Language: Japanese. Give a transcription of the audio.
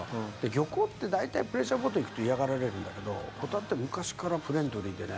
漁港って大体、プレジャーボート行くと嫌がられるんだけど、保田って昔からフレンドリーでね。